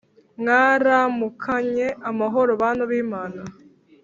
Mwaramukanye amahoro bantu bimana